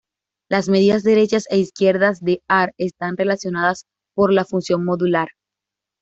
Las medidas derechas e izquierdas de Haar están relacionadas por la función modular.